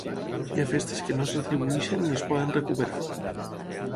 Hi ha festes que no es retribueixen ni es poden recuperar.